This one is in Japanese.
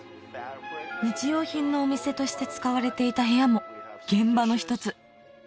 日用品のお店として使われていた部屋も現場の一つ